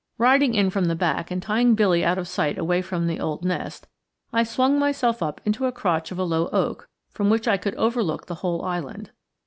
Riding in from the back and tying Billy out of sight away from the old nest, I swung myself up into a crotch of a low oak from which I could overlook the whole island.